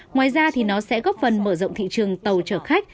ngoài ra thì nó sẽ góp phần mở rộng thị trường tàu chở khách